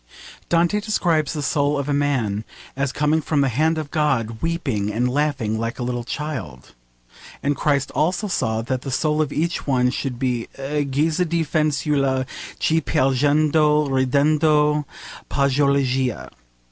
Dante describes the soul of a man as coming from the hand of God 'weeping and laughing like a little child,' and Christ also saw that the soul of each one should be a guisa di fanciulla che piangendo e ridendo pargoleggia.